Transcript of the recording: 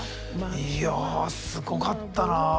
いやすごかったな。